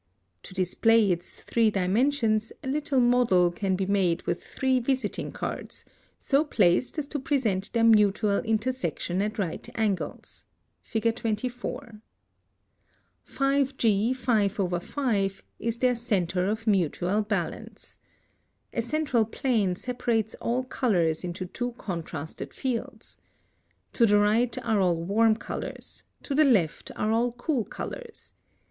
[Illustration: Fig. 24.] (141) To display its three dimensions, a little model can be made with three visiting cards, so placed as to present their mutual intersection at right angles (Fig. 24). 5G 5/5 is their centre of mutual balance. A central plane separates all colors into two contrasted fields. To the right are all warm colors, to the left are all cool colors.